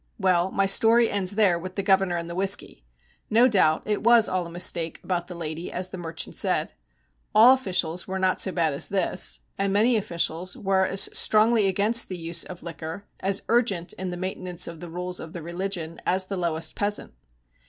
Well, my story ends there with the governor and the whisky. No doubt it was all a mistake about the lady, as the merchant said. All officials were not so bad as this, and many officials were as strongly against the use of liquor, as urgent in the maintenance of the rules of the religion, as the lowest peasant.